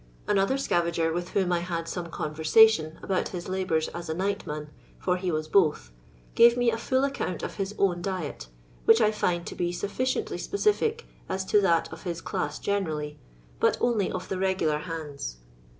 Another scavager with whom I had some conversation about his labours as a nightman, for he was both, gave me a full account of his own diet, which I find to be sufliciently specltic as to tliat of his class generally, but only of the regular hands.